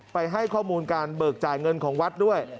ให้ข้อมูลการเบิกจ่ายเงินของวัดด้วย